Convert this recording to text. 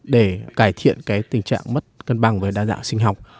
để cải thiện cái tình trạng mất cân bằng với đa dạng sinh học